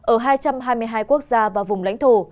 ở hai trăm hai mươi hai quốc gia và vùng lãnh thổ